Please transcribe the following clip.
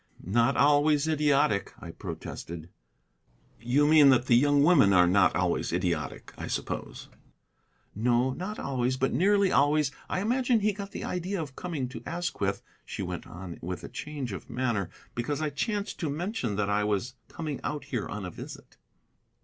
"Not always idiotic," I protested. "You mean that the young women are not always idiotic, I suppose. No, not always, but nearly always. I imagine he got the idea of coming to Asquith," she went on with a change of manner, "because I chanced to mention that I was coming out here on a visit."